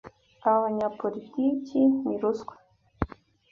Aba banyapolitiki ni ruswa.